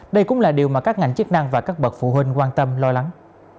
đây cũng là điều mà các ngành chức năng và các bậc phụ huynh quan tâm lo lắng